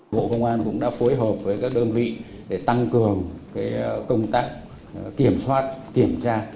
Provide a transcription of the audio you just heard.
bộ công an cũng đã phối hợp với các đơn vị để tăng cường công tác kiểm soát kiểm tra